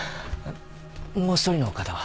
もう一人の方は？